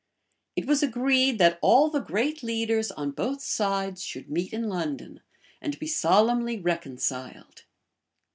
It was agreed that all the great leaders on both sides should meet in London, and be solemnly reconciled.